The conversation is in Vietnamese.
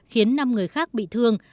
khiến năm người khác bị thương